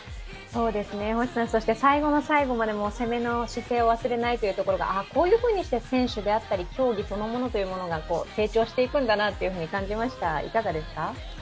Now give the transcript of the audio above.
そして最後の最後まで攻めの姿勢を忘れないというところがこういうふうにして選手であったり、競技そのものが成長していくんだなっていうふうに感じました。